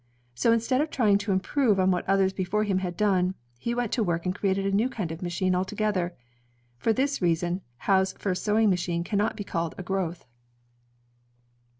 So instead of trying to improve on what others before him had done, he went to work and created a new kind of machine altogether. For this reason, Howe's first sewing machine cannot be called a growth.